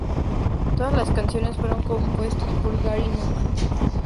Todas las canciones fueron compuestas por Gary Numan.